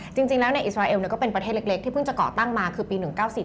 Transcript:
จริงแล้วในอิสราเอลก็เป็นประเทศเล็กที่เพิ่งจะก่อตั้งมาคือปี๑๙๐